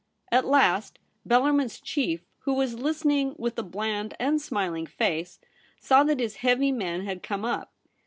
At last Bellarmin's chief, who was listening with a bland and smiling face, saw that his heavy men had come up.